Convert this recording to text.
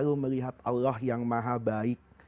lalu melihat allah yang maha baik